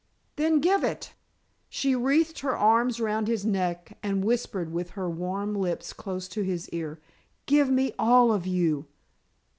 "Then give it." She wreathed her arms round his neck and whispered with her warm lips close to his ear, "Give me all of you."